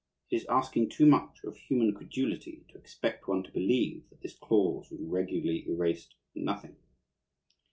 It is asking too much of human credulity to expect one to believe that this clause was regularly erased for nothing.